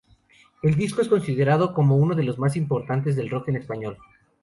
El disco es considerado como uno de los más importantes del rock en español.